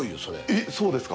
えっそうですか？